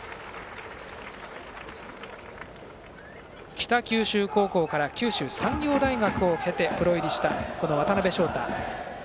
北九州高校から九州産業大学を経てプロ入りした渡辺翔太。